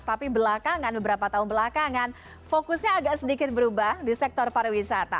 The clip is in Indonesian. tapi belakangan beberapa tahun belakangan fokusnya agak sedikit berubah di sektor pariwisata